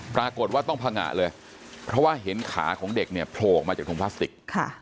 ปรากฏว่าต้องพังงะเลยเพราะว่าเห็นขาของเด็กเนี่ยโผล่ออกมาจากถุงพลาสติก